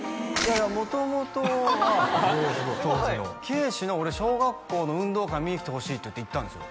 元々は圭史の俺小学校の運動会見に来てほしいって言って行ったんですよ